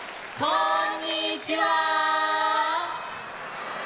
こんにちは！